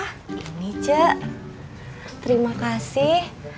ini cek terima kasih